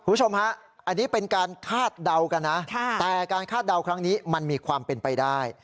คุณผู้ชมฮะอันนี้เป็นการคาดเดากันนะแต่การคาดเดาครั้งนี้มันมีความเป็นไปได้